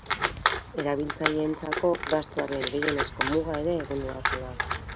Erabiltzaileentzako gastuaren gehienezko muga ere eguneratu da.